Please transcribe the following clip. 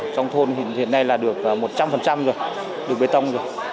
trong thôn hiện nay là được một trăm linh rồi đường bê tông rồi